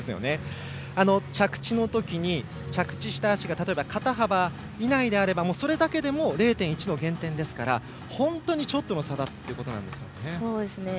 着地の時、着地した足が例えば肩幅以内であればそれだけでも０．１の減点ですから本当にちょっとの差だということですね。